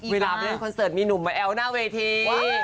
เวลาไปเล่นคอนเสิร์ตมีหนุ่มมาแอวหน้าเวที